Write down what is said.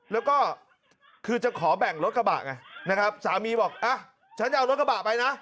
แล้วก็คือจะขอแบ่งรถกระบะไงนะครับสามีบอกอ่ะฉันจะเอารถกระบะไปนะ